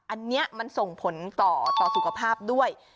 อันนี้มันส่งผลต่อต่อสุขภาพด้วย